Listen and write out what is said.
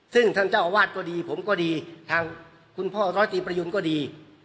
ซึ่งท่านเจ้าอาวาสก็ดีผมก็ดีทางคุณพ่อร้อยตีประยุณก็ดี